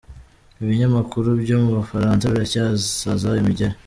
Ibinyamakuru byo mu Bufaransa biracyasaza imigeri